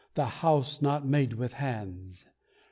The house not made with hands!